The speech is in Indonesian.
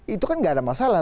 itu kan nggak ada masalah